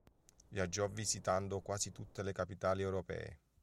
Viaggiò visitando quasi tutte le capitali europee.